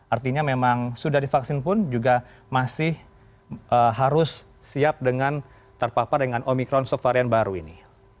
artinya memang sudah divaksin pun juga masih harus siap dengan terpapar dengan omikron subvarian baru ini